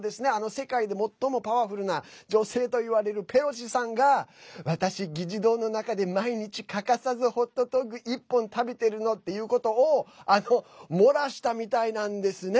世界で最もパワフルな女性といわれるペロシさんが「私、議事堂の中で毎日欠かさずホットドッグ１本食べてるの」っていうことを漏らしたみたいなんですね。